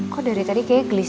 kok dari tadi kayak glis